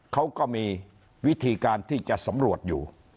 เขาก็มีวิธีการที่จะสำรวจอยู่